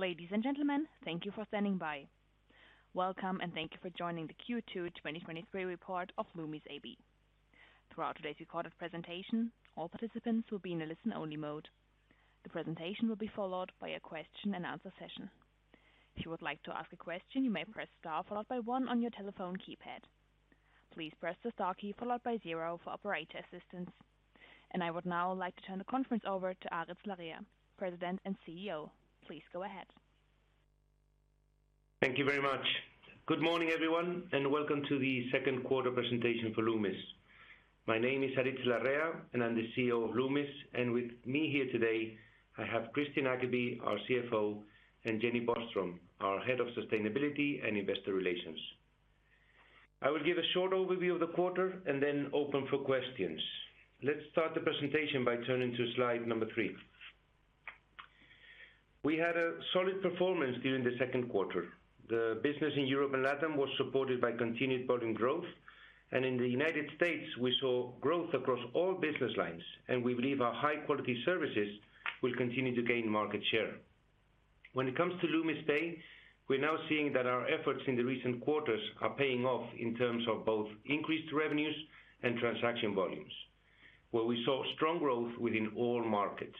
Ladies, and gentlemen, thank you for standing by. Welcome, and thank you for joining the Q2 2023 Report of Loomis AB. Throughout today's recorded presentation, all participants will be in a listen-only mode. The presentation will be followed by a question-and-answer session. If you would like to ask a question, you may press star followed by one on your telephone keypad. Please press the star key followed by zero for operator assistance. I would now like to turn the conference over to Aritz Larrea, President and CEO. Please go ahead. Thank you very much. Good morning, everyone, welcome to the Second Quarter Presentation for Loomis. My name is Aritz Larrea, and I'm the CEO of Loomis, and with me here today, I have Kristian Ackeby, our CFO, and Jenny Boström, our Head of Sustainability and Investor Relations. I will give a short overview of the quarter and then open for questions. Let's start the presentation by turning to slide number three. We had a solid performance during the second quarter. The business in Europe and LATAM was supported by continued volume growth, and in the U.S., we saw growth across all business lines, and we believe our high-quality services will continue to gain market share. When it comes to Loomis Pay, we're now seeing that our efforts in the recent quarters are paying off in terms of both increased revenues and transaction volumes, where we saw strong growth within all markets.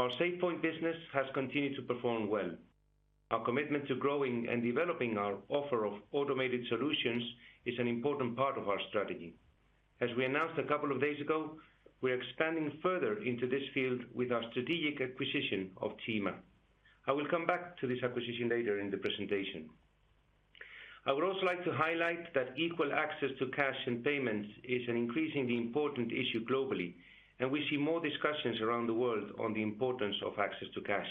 Our SafePoint business has continued to perform well. Our commitment to growing and developing our offer of automated solutions is an important part of our strategy. As we announced a couple of days ago, we are expanding further into this field with our strategic acquisition of Cima. I will come back to this acquisition later in the presentation. I would also like to highlight that equal access to cash and payments is an increasingly important issue globally, and we see more discussions around the world on the importance of access to cash.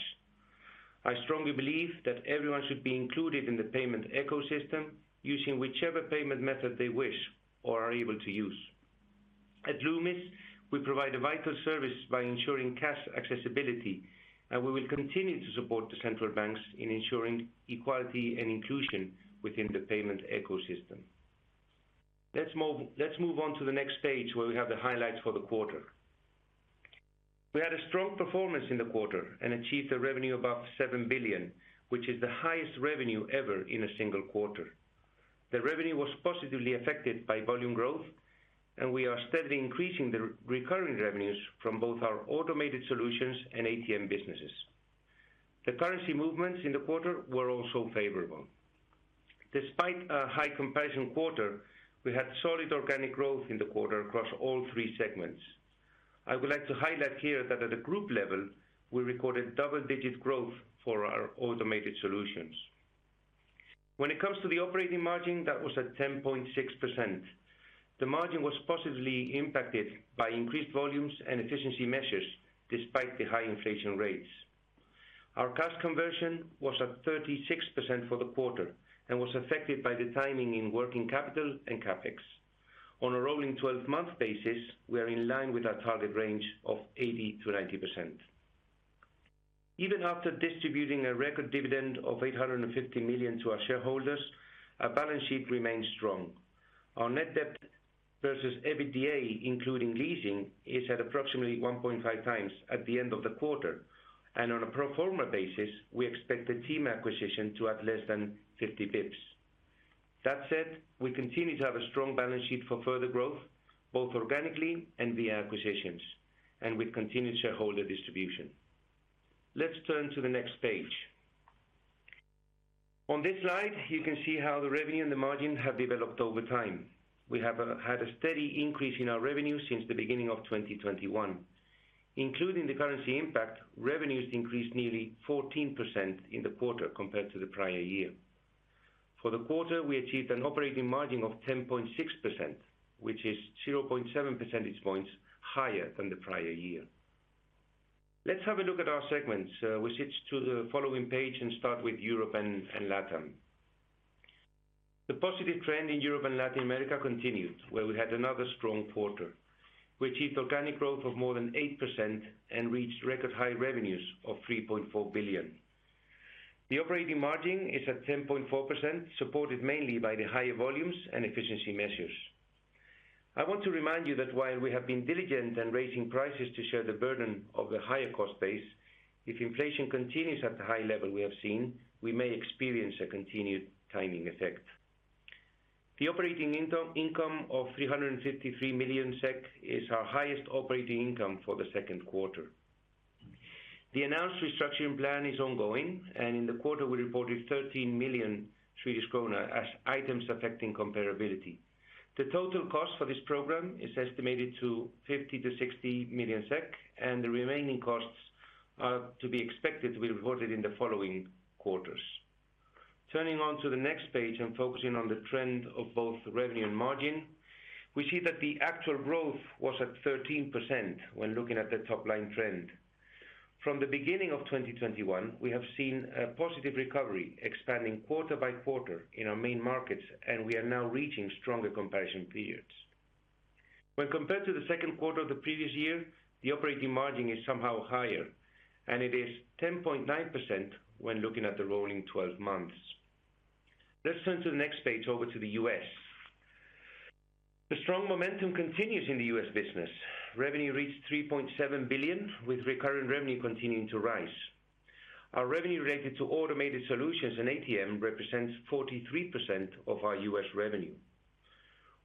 I strongly believe that everyone should be included in the payment ecosystem, using whichever payment method they wish or are able to use. At Loomis, we provide a vital service by ensuring cash accessibility. We will continue to support the central banks in ensuring equality and inclusion within the payment ecosystem. Let's move on to the next page, where we have the highlights for the quarter. We had a strong performance in the quarter and achieved a revenue above 7 billion, which is the highest revenue ever in a single quarter. The revenue was positively affected by volume growth. We are steadily increasing the recurring revenues from both our Automated Solutions and ATM businesses. The currency movements in the quarter were also favorable. Despite a high comparison quarter, we had solid organic growth in the quarter across all three segments. I would like to highlight here that at the group level, we recorded double-digit growth for our Automated Solutions. When it comes to the operating margin, that was at 10.6%. The margin was positively impacted by increased volumes and efficiency measures, despite the high inflation rates. Our cash conversion was at 36% for the quarter and was affected by the timing in working capital and CapEx. On a rolling 12-month basis, we are in line with our target range of 80%-90%. Even after distributing a record dividend of 850 million to our shareholders, our balance sheet remains strong. Our net debt versus EBITDA, including leasing, is at approximately 1.5x at the end of the quarter. On a pro forma basis, we expect the team acquisition to add less than 50 basis points. That said, we continue to have a strong balance sheet for further growth, both organically and via acquisitions, and with continued shareholder distribution. Let's turn to the next page. On this slide, you can see how the revenue and the margin have developed over time. We have had a steady increase in our revenue since the beginning of 2021. Including the currency impact, revenues increased nearly 14% in the quarter compared to the prior year. For the quarter, we achieved an operating margin of 10.6%, which is 0.7 percentage points higher than the prior year. Let's have a look at our segments. We switch to the following page and start with Europe and LATAM. The positive trend in Europe and Latin America continued, where we had another strong quarter. We achieved organic growth of more than 8% and reached record high revenues of 3.4 billion. The operating margin is at 10.4%, supported mainly by the higher volumes and efficiency measures. I want to remind you that while we have been diligent in raising prices to share the burden of the higher cost base, if inflation continues at the high level we have seen, we may experience a continued timing effect. The operating income of 353 million SEK is our highest operating income for the second quarter. The announced restructuring plan is ongoing. In the quarter we reported 13 million Swedish kronor as items affecting comparability. The total cost for this program is estimated to 50 million-60 million SEK. The remaining costs are to be expected to be reported in the following quarters. Turning on to the next page and focusing on the trend of both revenue and margin, we see that the actual growth was at 13% when looking at the top-line trend. From the beginning of 2021, we have seen a positive recovery, expanding quarter-by-quarter in our main markets, we are now reaching stronger comparison periods. When compared to the second quarter of the previous year, the operating margin is somehow higher, it is 10.9 when looking at the rolling 12 months. Let's turn to the next page, over to the U.S. The strong momentum continues in the U.S. business. Revenue reached $3.7 billion, with recurring revenue continuing to rise. Our revenue related to Automated Solutions and ATM represents 43% of our U.S. revenue.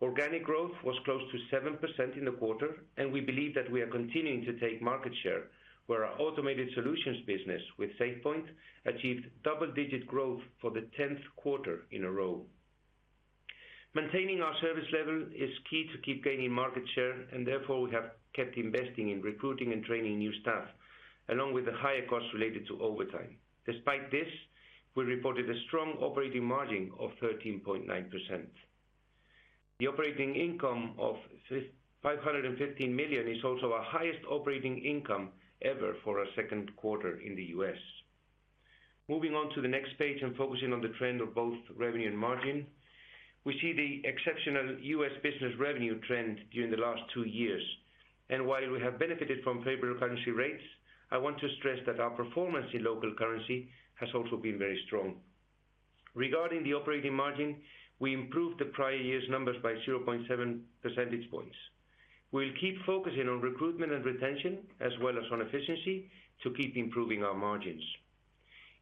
Organic growth was close to 7% in the quarter. We believe that we are continuing to take market share, where our Automated Solutions business with SafePoint achieved double-digit growth for the 10th quarter in a row. Maintaining our service level is key to keep gaining market share. Therefore, we have kept investing in recruiting and training new staff, along with the higher costs related to overtime. Despite this, we reported a strong operating margin of 13.9%. The operating income of 515 million is also our highest operating income ever for a second quarter in the U.S. Moving on to the next page, focusing on the trend of both revenue and margin, we see the exceptional U.S. business revenue trend during the last two years, while we have benefited from favorable currency rates, I want to stress that our performance in local currency has also been very strong. Regarding the operating margin, we improved the prior year's numbers by 0.7 percentage points. We'll keep focusing on recruitment and retention, as well as on efficiency, to keep improving our margins.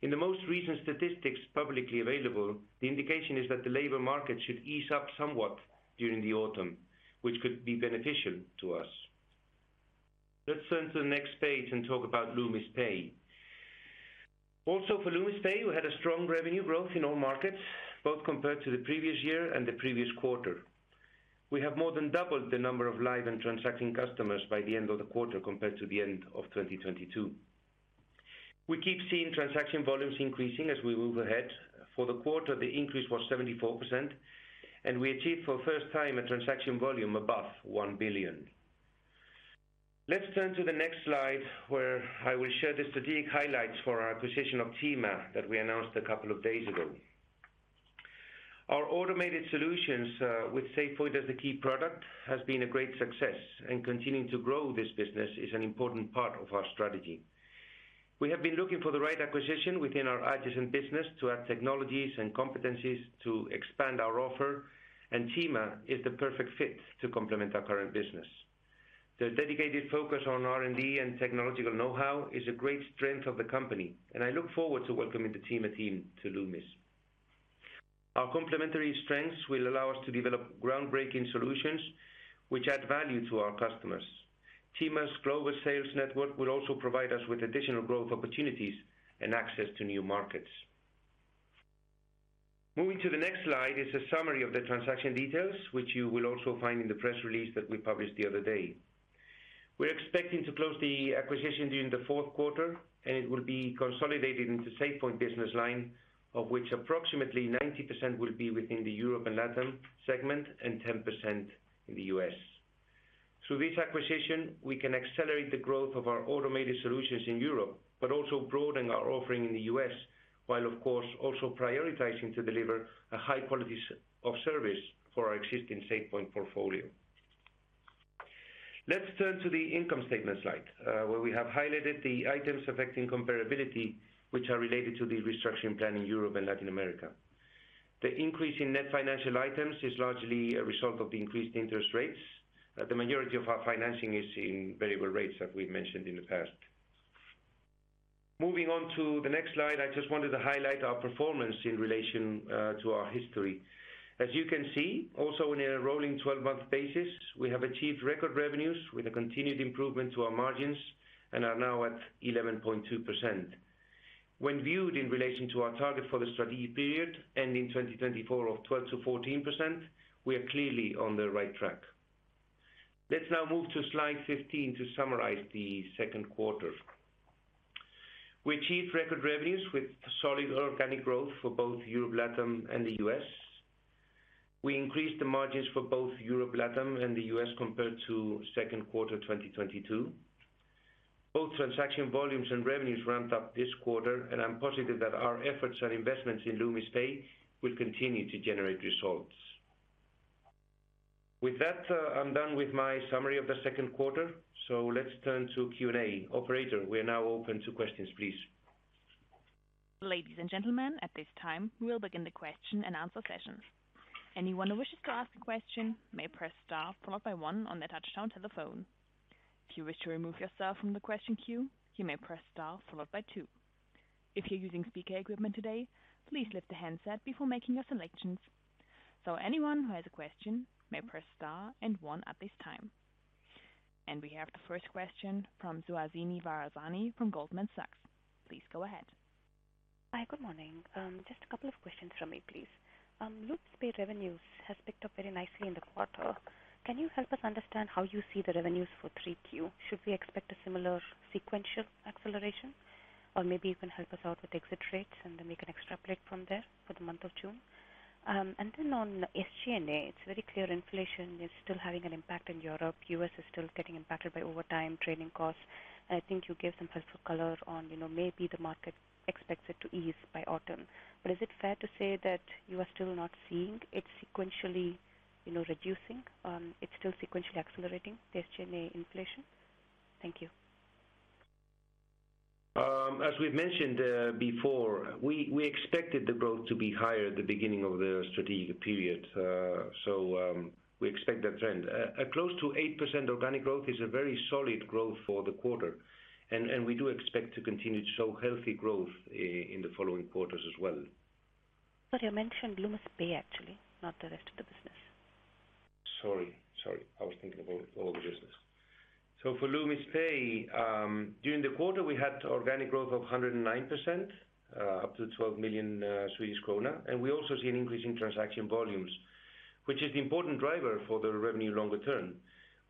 In the most recent statistics publicly available, the indication is that the labor market should ease up somewhat during the autumn, which could be beneficial to us. Let's turn to the next page, talk about Loomis Pay. Also, for Loomis Pay, we had a strong revenue growth in all markets, both compared to the previous year and the previous quarter. We have more than doubled the number of live and transacting customers by the end of the quarter compared to the end of 2022. We keep seeing transaction volumes increasing as we move ahead. For the quarter, the increase was 74%, and we achieved for first time a transaction volume above 1 billion. Let's turn to the next slide, where I will share the strategic highlights for our acquisition of Cima, that we announced a couple of days ago. Our automated solutions, with SafePoint as the key product, has been a great success, and continuing to grow this business is an important part of our strategy. We have been looking for the right acquisition within our Automated Solutions business to add technologies and competencies to expand our offer, and Cima is the perfect fit to complement our current business. The dedicated focus on R&D and technological know-how is a great strength of the company. I look forward to welcoming the Cima team to Loomis. Our complementary strengths will allow us to develop groundbreaking solutions which add value to our customers. Cima's global sales network will also provide us with additional growth opportunities and access to new markets. Moving to the next slide is a summary of the transaction details, which you will also find in the press release that we published the other day. We're expecting to close the acquisition during the fourth quarter. It will be consolidated into SafePoint business line, of which approximately 90% will be within the Europe and Latin segment and 10% in the U.S. Through this acquisition, we can accelerate the growth of our Automated Solutions in Europe, but also broaden our offering in the U.S., while of course also prioritizing to deliver a high quality of service for our existing SafePoint portfolio. Let's turn to the income statement slide, where we have highlighted the items affecting comparability, which are related to the restructuring plan in Europe and Latin America. The increase in net financial items is largely a result of the increased interest rates. The majority of our financing is in variable rates, as we've mentioned in the past. Moving on to the next slide, I just wanted to highlight our performance in relation to our history. You can see, also on a rolling 12-month basis, we have achieved record revenues with a continued improvement to our margins and are now at 11.2%. When viewed in relation to our target for the strategy period, ending in 2024 of 12%-14%, we are clearly on the right track. Let's now move to slide 15 to summarize the second quarter. We achieved record revenues with solid organic growth for both Europe, Latin, and the U.S. We increased the margins for both Europe, Latin, and the U.S. compared to second quarter, 2022. Both transaction volumes and revenues ramped up this quarter, and I'm positive that our efforts and investments in Loomis Pay will continue to generate results. With that, I'm done with my summary of the second quarter, so let's turn to Q&A. Operator, we are now open to questions, please. Ladies, and gentlemen, at this time, we will begin the question-and-answer session. Anyone who wishes to ask a question may press star followed by one on their touchtone telephone. If you wish to remove yourself from the question queue, you may press star followed by two. If you're using speaker equipment today, please lift the handset before making your selections. Anyone who has a question may press star and one at this time. We have the first question from Suhasini Varanasi from Goldman Sachs. Please go ahead. Hi, good morning. Just a couple of questions from me, please. Loomis Pay revenues has picked up very nicely in the quarter. Can you help us understand how you see the revenues for 3Q? Should we expect a similar sequential acceleration, or maybe you can help us out with exit rates, and then we can extrapolate from there for the month of June? On SG&A, it's very clear inflation is still having an impact in Europe. U.S. is still getting impacted by overtime, training costs. I think you gave some helpful color on, you know, maybe the market expects it to ease by autumn. Is it fair to say that you are still not seeing it sequentially, you know, reducing, it's still sequentially accelerating, the SG&A inflation? Thank you. As we've mentioned before, we expected the growth to be higher at the beginning of the strategic period. We expect that trend. Close to 8% organic growth is a very solid growth for the quarter, and we do expect to continue to show healthy growth in the following quarters as well. You mentioned Loomis Pay, actually, not the rest of the business. Sorry. I was thinking about all the business. For Loomis Pay, during the quarter, we had organic growth of 109%, up to 12 million Swedish krona. We also see an increase in transaction volumes, which is the important driver for the revenue longer term.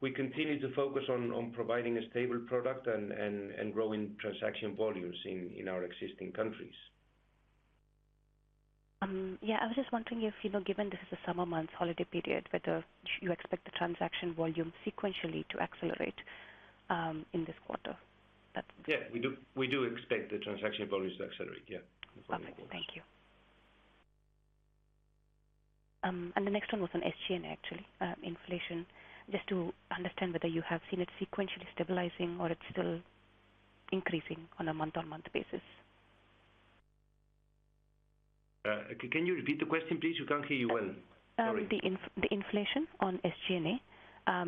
We continue to focus on providing a stable product and growing transaction volumes in our existing countries. Yeah, I was just wondering if, you know, given this is a summer month holiday period, whether you expect the transaction volume sequentially to accelerate, in this quarter? We do expect the transaction volumes to accelerate. Yeah. Okay, thank you. The next one was on SG&A, actually, inflation, just to understand whether you have seen it sequentially stabilizing or it's still increasing on a month-on-month basis. Can you repeat the question, please? We can't hear you well. Sorry. The inflation on SG&A.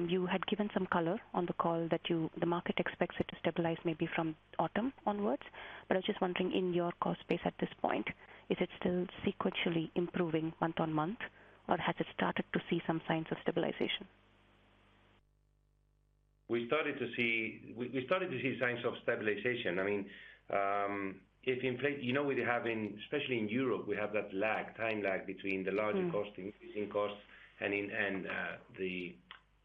You had given some color on the call that the market expects it to stabilize maybe from autumn onwards. I was just wondering, in your cost base at this point, is it still sequentially improving month-on-month, or has it started to see some signs of stabilization? We started to see signs of stabilization. I mean, you know, we have in, especially in Europe, we have that lag, time lag between the larger- Mm. costs, increasing costs and the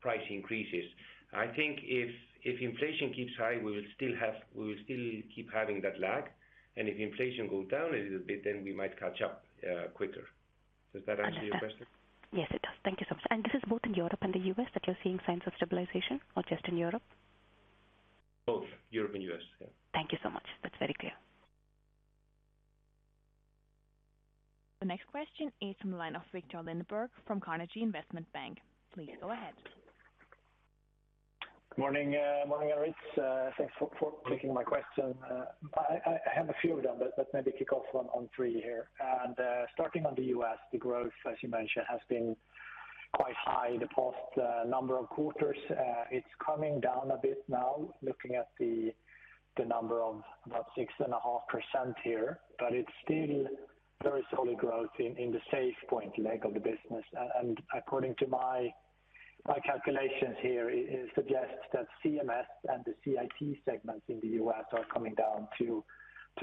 price increases. I think if inflation keeps high, we will still keep having that lag, If inflation go down a little bit, then we might catch up quicker. Does that answer your question? Yes, it does. Thank you so much. This is both in Europe and the U.S., that you're seeing signs of stabilization or just in Europe? Both Europe and U.S., yeah. Thank you so much. That's very clear. The next question is from the line of Viktor Lindeberg from Carnegie Investment Bank. Please go ahead. Good morning. Morning, Aritz. Thanks for taking my question. I have a few of them, but maybe kick off on three here. Starting on the U.S., the growth, as you mentioned, has been quite high the past number of quarters. It's coming down a bit now, looking at the number of about 6.5% here, but it's still very solid growth in the SafePoint leg of the business. According to my calculations here, it suggests that CMS and the CIT segments in the U.S. are coming down to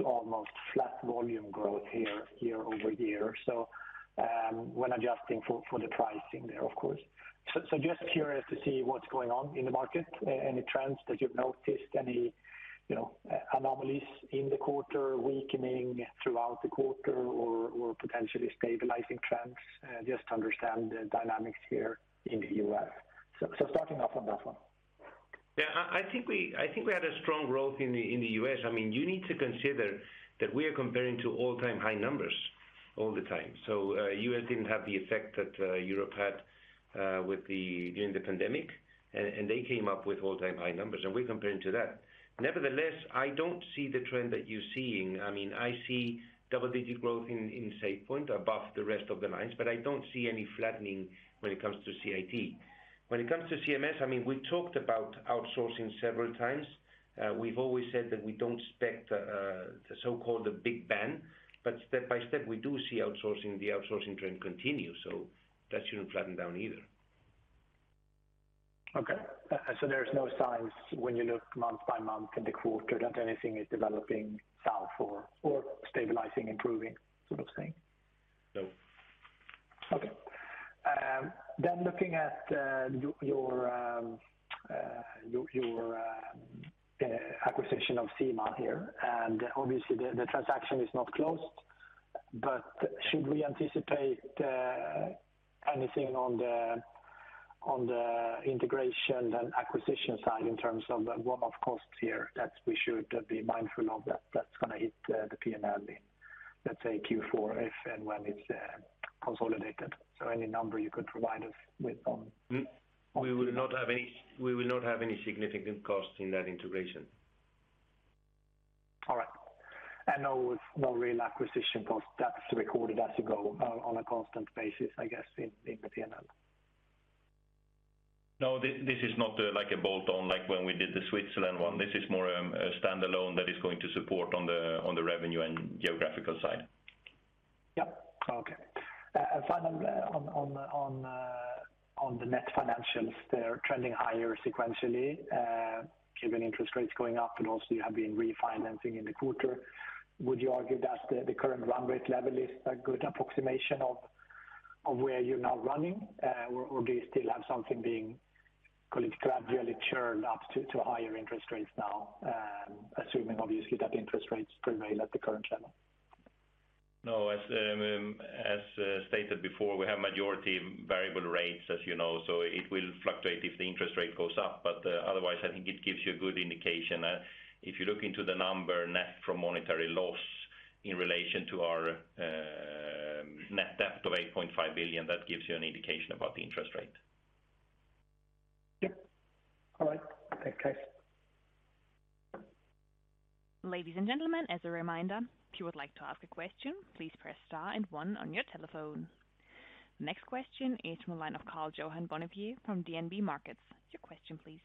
almost flat volume growth here, year-over-year. When adjusting for the pricing there, of course. Just curious to see what's going on in the market. Any trends that you've noticed, any, you know, anomalies in the quarter weakening throughout the quarter or potentially stabilizing trends? Just to understand the dynamics here in the U.S. Starting off on that one. I think we had a strong growth in the U.S. I mean, you need to consider that we are comparing to all-time high numbers all the time. U.S. didn't have the effect that Europe had with the during the pandemic, and they came up with all-time high numbers, and we're comparing to that. Nevertheless, I don't see the trend that you're seeing. I mean, I see double-digit growth in SafePoint above the rest of the lines, but I don't see any flattening when it comes to CIT. When it comes to CMS, I mean, we talked about outsourcing several times. We've always said that we don't expect the so-called the big bang, but step by step, we do see the outsourcing trend continue, that shouldn't flatten down either. Okay. There's no signs when you look month-by-month in the quarter, that anything is developing south or stabilizing, improving sort of thing? No. Okay. looking at acquisition of Cima here, and obviously, the transaction is not closed. Should we anticipate anything on the integration and acquisition side in terms of the one-off costs here, that we should be mindful of, that's gonna hit the P&L, let's say, Q4, if and when it's consolidated? Any number you could provide us with on- We will not have any significant costs in that integration. All right. no real acquisition cost that's recorded as you go, on a constant basis, I guess, in the P&L? No, this is not like a bolt on, like when we did the Switzerland one. This is more a standalone that is going to support on the revenue and geographical side. Yep. Okay. Finally, on the net financials, they're trending higher sequentially, given interest rates going up, and also you have been refinancing in the quarter. Would you argue that the current run rate level is a good approximation of where you're now running? Do you still have something being, call it, gradually churned up to higher interest rates now, assuming obviously, that interest rates prevail at the current level? No, as stated before, we have majority variable rates, as you know, so it will fluctuate if the interest rate goes up. Otherwise, I think it gives you a good indication. If you look into the number net from monetary loss in relation to our net debt of 8.5 billion, that gives you an indication about the interest rate. Yep. All right, thanks guys. Ladies and gentlemen, as a reminder, if you would like to ask a question, please press star and one on your telephone. Next question is from the line of Karl-Johan Bonnevier from DNB Markets. Your question, please.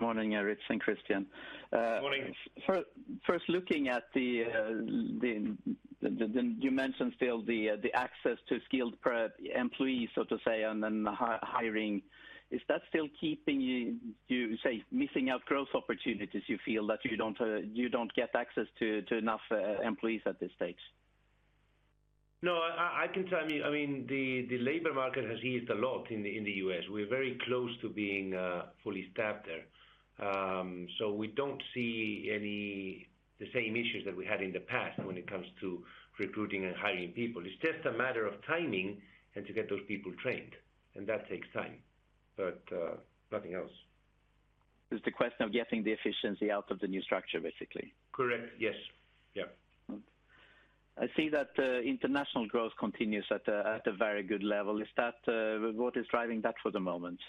Morning, Aritz and Christian. Morning. First, looking at the you mentioned still the access to skilled employees, so to say, and then hiring. Is that still keeping you say, missing out growth opportunities, you feel that you don't, you don't get access to enough employees at this stage? No, I can tell you, I mean, the labor market has eased a lot in the U.S. We're very close to being fully staffed there. We don't see the same issues that we had in the past when it comes to recruiting and hiring people. It's just a matter of timing and to get those people trained, and that takes time, but nothing else. It's the question of getting the efficiency out of the new structure, basically? Correct. Yes. Yeah. I see that international growth continues at a very good level. Is that what is driving that for the moment?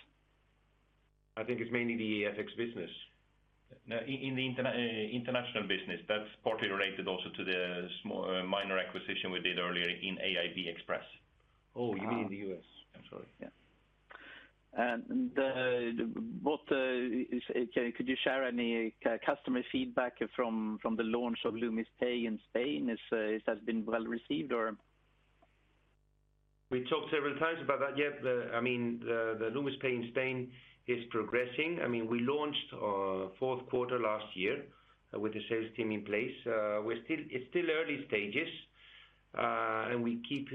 I think it's mainly the FX business. In the international business, that's partly related also to the small, minor acquisition we did earlier in AIB Express. Oh, you mean in the U.S.? I'm sorry, yeah. What, could you share any customer feedback from the launch of Loomis Pay in Spain? Is it has been well received, or? We talked several times about that. I mean, the Loomis Pay in Spain is progressing. I mean, we launched fourth quarter last year with the sales team in place. It's still early stages, and we keep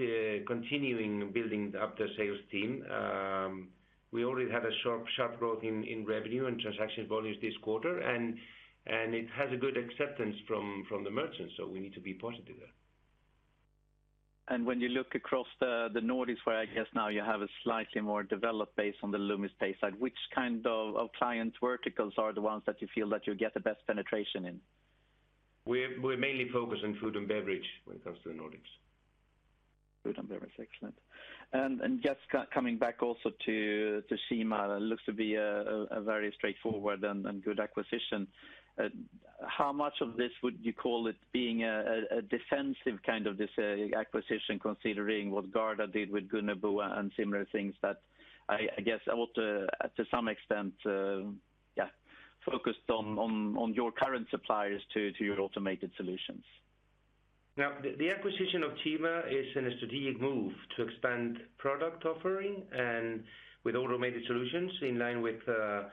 continuing building up the sales team. We already have a sharp growth in revenue and transaction volumes this quarter, and it has a good acceptance from the merchants, so we need to be positive there. When you look across the Nordics, where I guess now you have a slightly more developed base on the Loomis Pay side, which kind of client verticals are the ones that you feel that you get the best penetration in? We're mainly focused on Food & Beverage when it comes to the Nordics. Food & Beverage. Excellent. Just coming back also to Cima, it looks to be a very straightforward and good acquisition. How much of this would you call it being a defensive kind of this acquisition, considering what GardaWorld did with Gunnebo and similar things that I guess I want to to some extent focused on your current suppliers to your Automated Solutions? Now, the acquisition of Cima is a strategic move to expand product offering and with Automated Solutions in line with the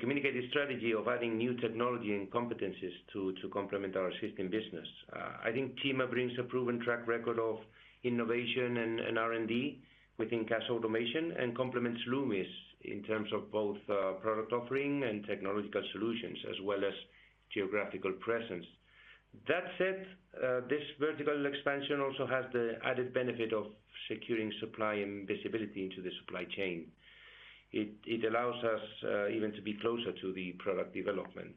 communicated strategy of adding new technology and competencies to complement our existing business. I think Cima brings a proven track record of innovation and R&D within cash automation and complements Loomis in terms of both product offering and technological solutions, as well as geographical presence. That said, this vertical expansion also has the added benefit of securing supply and visibility into the supply chain. It allows us even to be closer to the product development.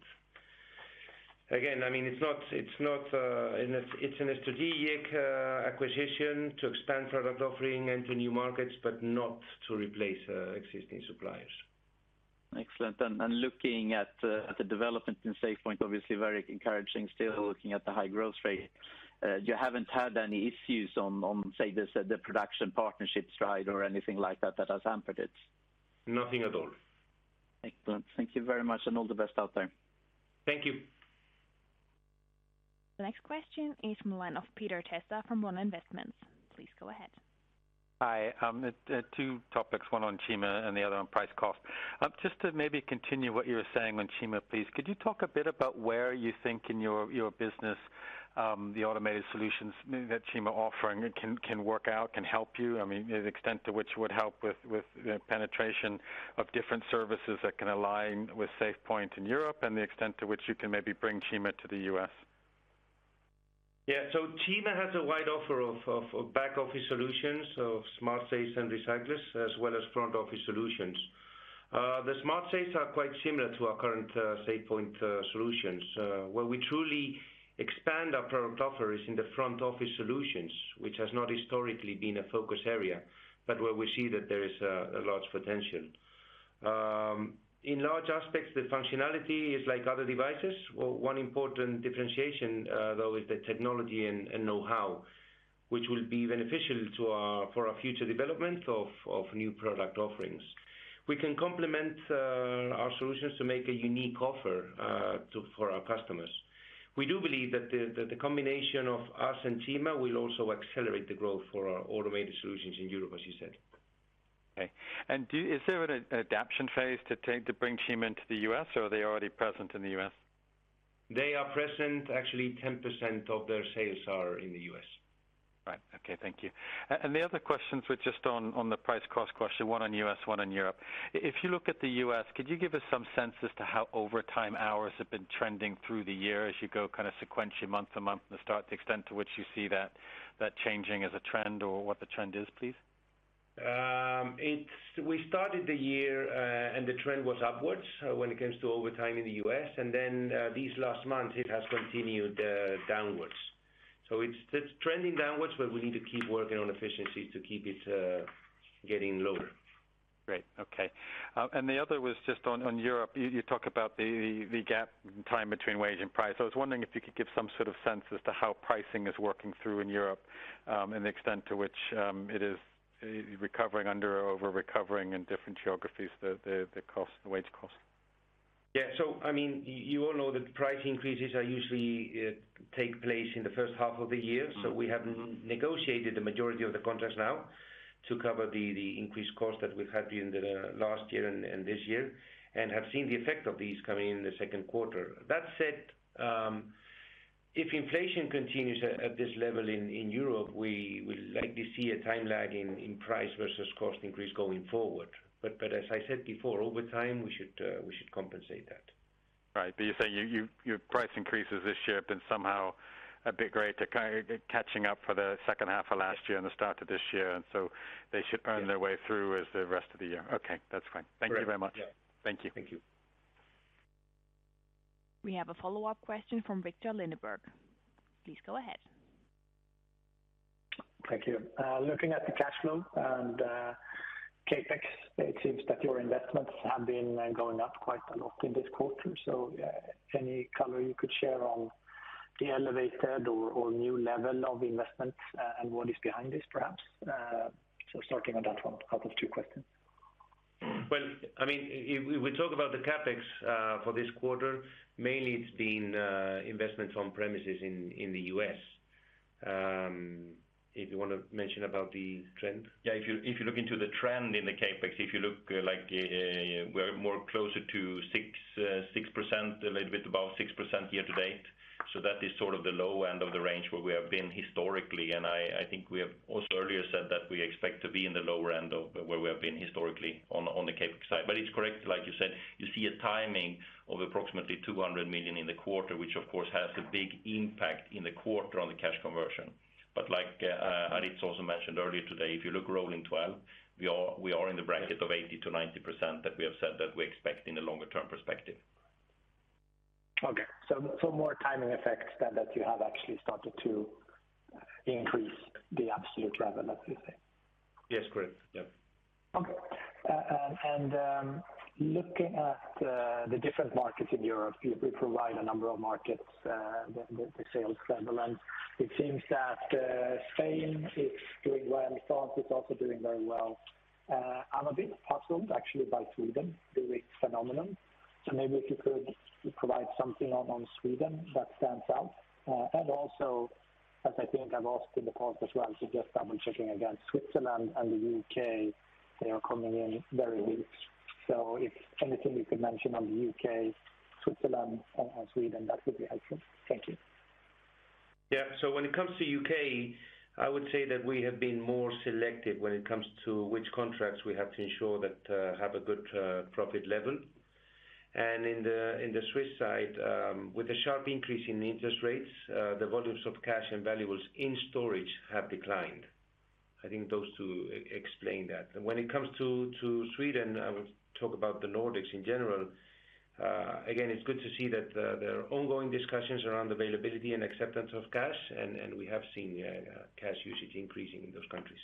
Again, I mean, it's not, it's not, it's a strategic acquisition to expand product offering into new markets, but not to replace existing suppliers. Excellent. Looking at the development in SafePoint, obviously very encouraging, still looking at the high growth rate. You haven't had any issues on, say, the production partnerships, right, or anything like that has hampered it? Nothing at all. Excellent. Thank you very much, and all the best out there. Thank you. The next question is from the line of Peter Testa from One Investments. Please go ahead. Hi. Two topics, one on Cima and the other on price cost. Just to maybe continue what you were saying on Cima, please, could you talk a bit about where you think in your business, the Automated Solutions that Cima offering can work out, can help you? I mean, the extent to which would help with the penetration of different services that can align with SafePoint in Europe, and the extent to which you can maybe bring Cima to the U.S. Yeah. Cima has a wide offer of back office solutions, of smart safes and recyclers, as well as front office solutions. The smart safes are quite similar to our current SafePoint solutions. Where we truly expand our product offer is in the front office solutions, which has not historically been a focus area, but where we see that there is a large potential. In large aspects, the functionality is like other devices. Well, one important differentiation, though, is the technology and know-how, which will be beneficial for our future development of new product offerings. We can complement our solutions to make a unique offer for our customers. We do believe that the combination of us and Cima will also accelerate the growth for our Automated Solutions in Europe, as you said. Okay. do you Is there an adaptation phase to take to bring Cima into the U.S., or are they already present in the U.S.? They are present. Actually, 10% of their sales are in the U.S. Right. Okay, thank you. The other questions were just on the price cost question, one on U.S., one on Europe. If you look at the U.S., could you give us some sense as to how overtime hours have been trending through the year as you go, kind of sequentially, month to month, from the start, the extent to which you see that changing as a trend or what the trend is, please? We started the year, the trend was upwards when it comes to overtime in the U.S., and then, these last months, it has continued downwards. It's trending downwards. We need to keep working on efficiency to keep it getting lower. Great. Okay. The other was just on Europe. You talk about the gap in time between wage and price. I was wondering if you could give some sort of sense as to how pricing is working through in Europe, and the extent to which it is recovering under or over-recovering in different geographies, the cost, the wage cost. Yeah. I mean, you all know that the price increases are usually take place in the first half of the year. Mm-hmm. We have negotiated the majority of the contracts now to cover the increased cost that we've had in the last year and this year, and have seen the effect of these coming in the second quarter. That said, if inflation continues at this level in Europe, we will likely see a time lag in price versus cost increase going forward. As I said before, over time, we should compensate that. Right. You're saying your price increases this year have been somehow a bit great at catching up for the second half of last year and the start of this year. They should earn their way through as the rest of the year. Okay, that's fine. Great. Thank you very much. Yeah. Thank you. Thank you. We have a follow-up question from Viktor Lindeberg. Please go ahead. Thank you. Looking at the cash flow and CapEx, it seems that your investments have been going up quite a lot in this quarter. Any color you could share on the elevated or new level of investment, and what is behind this, perhaps? Starting on that one, out of two questions. Well, I mean, if we talk about the CapEx for this quarter, mainly it's been investments on premises in the U.S. If you want to mention about the trend? If you, if you look into the trend in the CapEx, if you look, like, we're more closer to 6%, a little bit above 6% year-to-date. That is sort of the low end of the range where we have been historically, and I think we have also earlier said that we expect to be in the lower end of where we have been historically on the CapEx side. It's correct, like you said, you see a timing of approximately 200 million in the quarter, which, of course, has a big impact in the quarter on the cash conversion. Like Aritz also mentioned earlier today, if you look rolling 12, we are in the bracket of 80%-90% that we have said that we expect in a longer term perspective. Okay. more timing effects than that you have actually started to increase the absolute revenue, let's just say? Yes, correct. Yeah. Okay. Looking at the different markets in Europe, you provide a number of markets, the sales settlement. It seems that Spain is doing well, and France is also doing very well. I'm a bit puzzled, actually, by Sweden, the weak phenomenon. Maybe if you could provide something on Sweden that stands out. As I think I've asked in the past as well, just double checking again, Switzerland and the U.K., they are coming in very weak. If anything you could mention on the U.K., Switzerland, and Sweden, that would be helpful. Thank you. Yeah. When it comes to U.K., I would say that we have been more selective when it comes to which contracts we have to ensure that have a good profit level. In the, in the Swiss side, with a sharp increase in interest rates, the volumes of cash and valuables in storage have declined. I think those two explain that. When it comes to Sweden, I will talk about the Nordics in general. Again, it's good to see that there are ongoing discussions around availability and acceptance of cash, and we have seen cash usage increasing in those countries.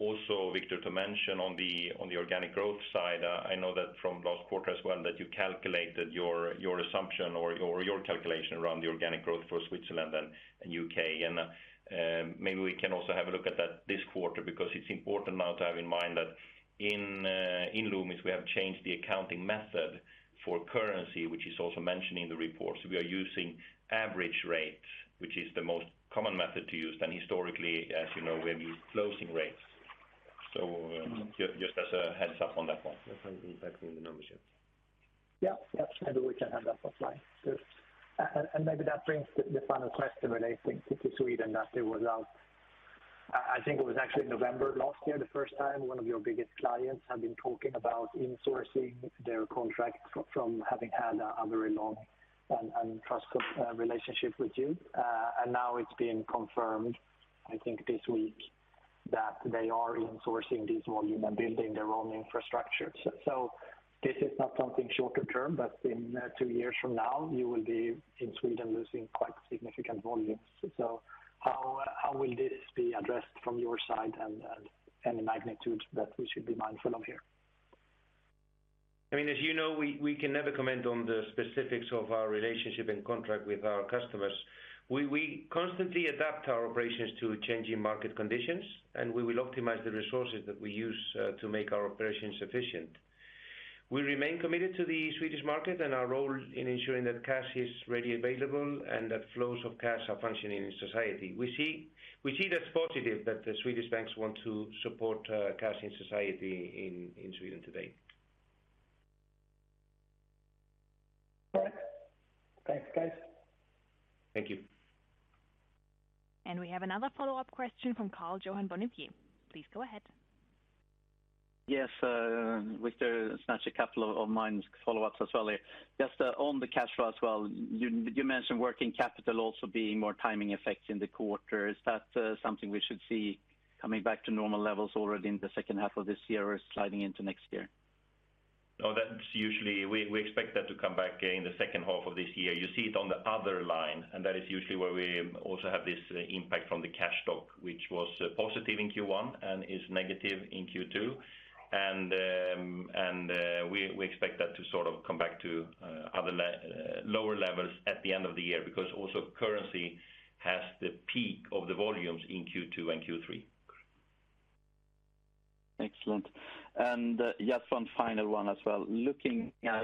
Also, Viktor, to mention on the, on the organic growth side, I know that from last quarter as well, that you calculated your assumption or your calculation around the organic growth for Switzerland and U.K. Maybe we can also have a look at that this quarter, because it's important now to have in mind that in Loomis, we have changed the accounting method for currency, which is also mentioned in the report. We are using average rate, which is the most common method to use, than historically, as you know, we have used closing rates. Just as a heads up on that one. That's how we're impacting the numbers, yeah. Yeah, yeah. Maybe we can have that offline. Yes. Maybe that brings the final question relating to Sweden, I think it was actually November last year, the first time one of your biggest clients have been talking about insourcing their contract from having had a very long and trusted relationship with you. Now it's being confirmed, I think this week, that they are insourcing this volume and building their own infrastructure. This is not something shorter term, but in two years from now, you will be, in Sweden, losing quite significant volumes. How will this be addressed from your side and the magnitude that we should be mindful of here? I mean, as you know, we can never comment on the specifics of our relationship and contract with our customers. We constantly adapt our operations to changing market conditions, and we will optimize the resources that we use to make our operations efficient. We remain committed to the Swedish market and our role in ensuring that cash is readily available and that flows of cash are functioning in society. We see that's positive that the Swedish banks want to support cash in society in Sweden today. All right. Thanks, guys. Thank you. We have another follow-up question from Karl-Johan Bonnevier. Please go ahead. Yes, Aritz, just a couple of mine follow-ups as well here. Just, on the cash flow as well, you mentioned working capital also being more timing effects in the quarter. Is that, something we should see coming back to normal levels already in the second half of this year or sliding into next year? That's usually, we expect that to come back in the second half of this year. You see it on the other line, and that is usually where we also have this impact from the cash stock, which was positive in Q1 and is negative in Q2. We expect that to sort of come back to lower levels at the end of the year, because also currency has the peak of the volumes in Q2 and Q3. Excellent. Just one final one as well. Looking at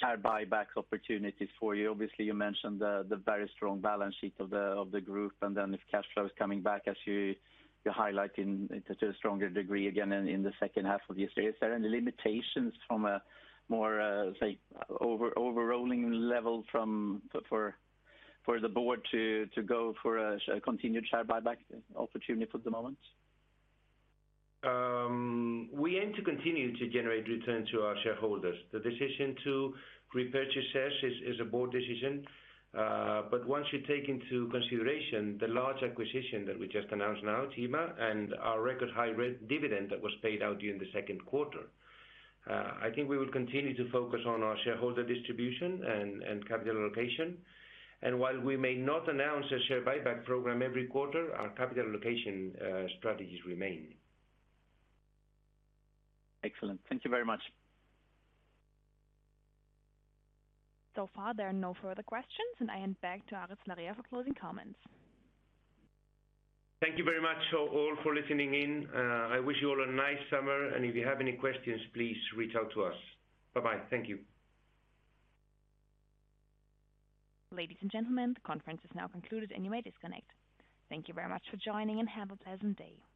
share buyback opportunities for you, obviously, you mentioned the very strong balance sheet of the group, and then if cash flow is coming back as you highlight to a stronger degree again in the second half of this year. Is there any limitations from a more, say, overrolling level for the board to go for a continued share buyback opportunity for the moment? We aim to continue to generate return to our shareholders. The decision to repurchase shares is a board decision. Once you take into consideration the large acquisition that we just announced now, Cima and our record high-rate dividend that was paid out during the second quarter, I think we will continue to focus on our shareholder distribution and capital allocation. While we may not announce a share buyback program every quarter, our capital allocation strategies remain. Excellent. Thank you very much. So far, there are no further questions, and I hand back to Aritz Larrea for closing comments. Thank you very much, so all for listening in. I wish you all a nice summer, and if you have any questions, please reach out to us. Bye-bye. Thank you. Ladies, and gentlemen, the conference is now concluded, and you may disconnect. Thank you very much for joining, and have a pleasant day. Goodbye.